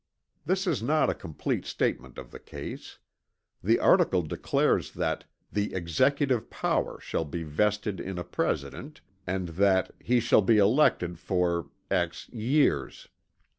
This is not a complete statement of the case. The article declares that "the executive power" shall be vested in a President and that "he shall be elected for years."